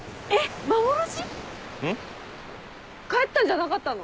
帰ったんじゃなかったの？